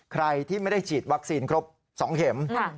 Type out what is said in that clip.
ใครที่ไม่ได้ฉีดวัคซีนครบ๒เข็ม